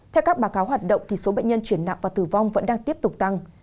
theo các báo cáo hoạt động số bệnh nhân chuyển nặng và tử vong vẫn đang tiếp tục tăng